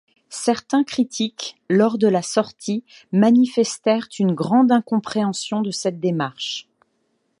Certains critiques, lors de la sortie, manifestèrent une grande incompréhension de cette démarche.